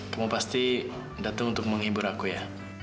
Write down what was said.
kamu pasti datang untuk menghibur aku ya